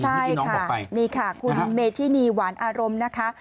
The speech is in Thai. ที่น้องบอกไปใช่ค่ะมีค่ะคุณเมธินีหวานอารมณ์นะคะ